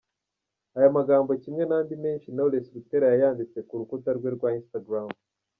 Aya magambo kimwe n'andi menshi Knowless Butera yayanditse ku rukuta rwe rwa Instagram.